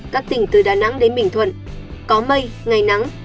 các tỉnh từ đà nẵng đến bình thuận có mây ngày nắng